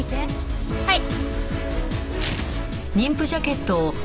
はい。